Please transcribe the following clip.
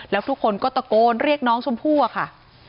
แล้วทุกคนก็ตะโกนเรียกน้องชมพู่อะค่ะ